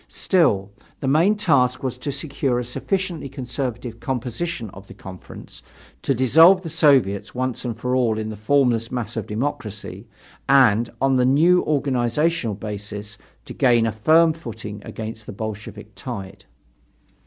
Still, the main task was to secure a sufficiently conservative composition of the Conference, to dissolve the Soviets once for all in the formless mass of democracy, and, on the new organizational basis, to gain a firm footing against the Bolshevik tide.